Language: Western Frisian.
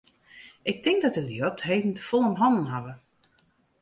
Ik tink dat de lju op 't heden te folle om hannen hawwe.